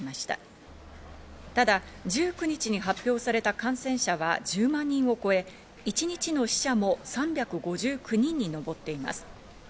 ただ１９日に発表された感染者は１０万人を超え、一日の死者も３５９人に上っています。